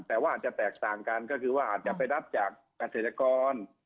แต่ว่าอาจจะแตกต่างกันก็คือว่าอาจจะไปรับจากเกษตรกร